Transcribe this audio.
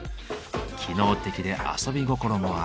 機能的で遊び心もある。